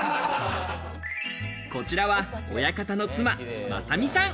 こちらは親方と妻・雅美さん。